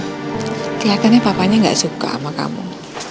kelihatannya papanya gak suka sama kamu